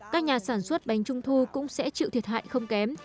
các nhà sản xuất bánh trung thu cũng sẽ chịu thiệt hại không kém